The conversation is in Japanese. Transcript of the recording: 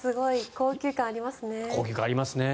高級感ありますね。